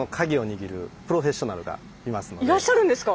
いらっしゃるんですか？